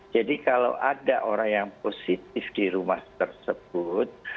jadi kalau ada orang yang positif di rumah tersebut